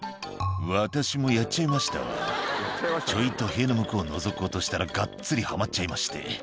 「私もやっちゃいましたわちょいと塀の向こうのぞこうとしたらがっつりはまっちゃいまして」